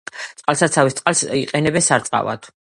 წყალსაცავის წყალს იყენებენ სარწყავად.